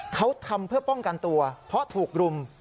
เขาทำเพื่อป้องกันตัวเพราะถูกรุม